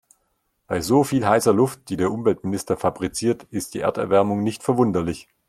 Bei so viel heißer Luft, die der Umweltminister fabriziert, ist die Erderwärmung nicht verwunderlich.